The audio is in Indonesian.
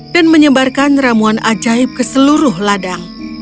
dan menyebarkan ramuan ajaib ke seluruh ladang